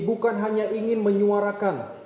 bukan hanya ingin menyuarakan